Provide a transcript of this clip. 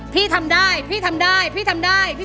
พี่ทำได้พี่ทำได้พี่ทำได้